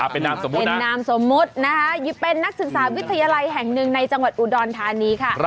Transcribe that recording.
เป็นนามสมมุตินะคะเป็นนักศึกษาวิทยาลัยแห่งหนึ่งในจังหวัดอุดรธานี้ค่ะ